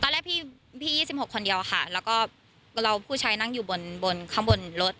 แรกพี่๒๖คนเดียวค่ะแล้วก็เราผู้ชายนั่งอยู่บนข้างบนรถ